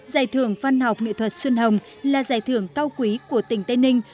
giải thưởng văn học nghệ thuật xuân hồng là giải thưởng cao quý của tỉnh tây ninh